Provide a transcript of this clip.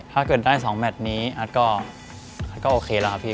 ถ้าเกิดได้๒แมทนี้อัดก็โอเคแล้วครับพี่